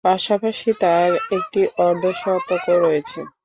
পাশাপাশি তার একটি অর্ধ-শতকও রয়েছে।